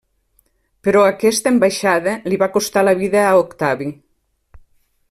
Però aquesta ambaixada li va costar la vida a Octavi.